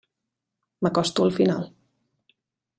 M'acosto al final.